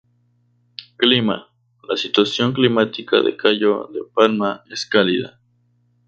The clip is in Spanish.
Clima: La situación climática de Cayo de Palma es Cálida.